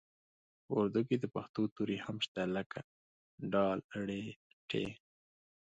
په اردو کې د پښتو توري هم شته لکه ډ ړ ټ